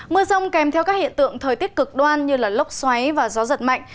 mưa rông kèm theo các hiện tượng thời tiết cực đoan như lốc xoáy và gió giật mạnh